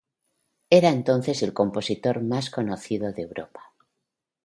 Era entonces el compositor más conocido de Europa.